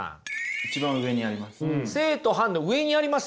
一番上にあります。